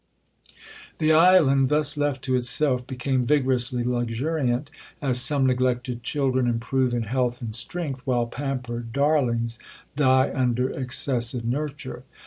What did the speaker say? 'The Island, thus left to itself, became vigorously luxuriant, as some neglected children improve in health and strength, while pampered darlings die under excessive nurture.